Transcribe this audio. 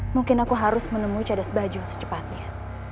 mungkin aku harus menemui cadas baju secepatnya